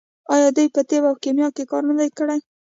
آیا دوی په طب او کیمیا کې کار نه دی کړی؟